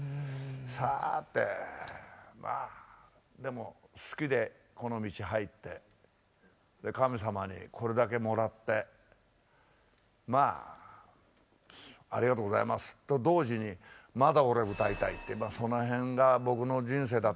さてまあでも好きでこの道入ってで神様にこれだけもらってまあありがとうございますと同時にまだ俺歌いたいってその辺が僕の人生だったですかね。